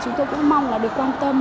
chúng tôi cũng mong là được quan tâm